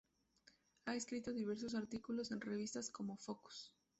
Ha escrito diversos artículos en revistas como "Focus".